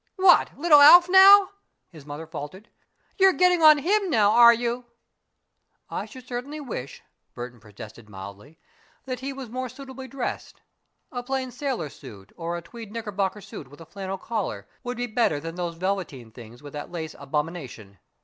"What, little Alf now?" his mother faltered. "You're getting on to him now, are you?" "I certainly should wish," Burton protested mildly, "that he was more suitably dressed. A plain sailor suit, or a tweed knickerbocker suit with a flannel collar, would be better than those velveteen things with that lace abomination.